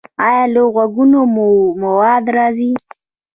ایا له غوږونو مو مواد راځي؟